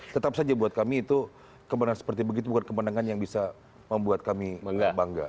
tetap saja buat kami itu kemenangan seperti begitu bukan kemenangan yang bisa membuat kami bangga